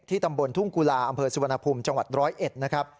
ตำบลทุ่งกุลาอำเภอสุวรรณภูมิจังหวัด๑๐๑นะครับ